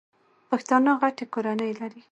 پښتانه غټي کورنۍ لري.